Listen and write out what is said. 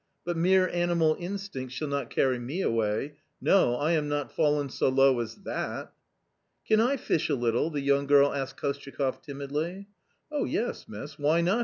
But mere animal instinct shall not carry me away — no, I am not fallen so low as that!" " Can I fish a little !" the young girl asked Kostyakoff timidly. " Oh yes, miss; why not